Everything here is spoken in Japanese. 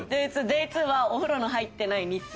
「ｄａｙ２」はお風呂の入ってない日数。